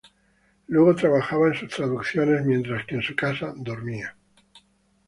Luego trabajaba en sus traducciones, mientras que en su casa dormía.